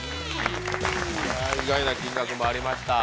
意外な金額もありました。